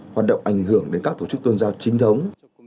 hoạt động ảnh hưởng đến các tổ chức tôn giáo chính thống